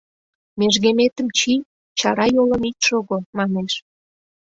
Межгеметым чий, чара йолын ит шого, — манеш.